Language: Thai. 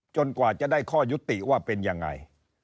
กว่าจะได้ข้อยุติว่าเป็นยังไง